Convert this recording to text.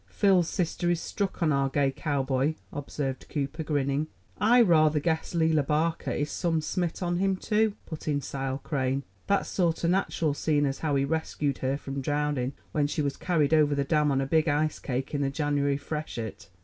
"Phil's sister is struck on our gay cowboy," observed Cooper, grinning. "I rather guess Lela Barker is some smit on him, too," put in Sile Crane. "That's sorter natteral, seein' as how he rescued her from drowndin' when she was carried over the dam on a big ice cake in the Jinuary freshet.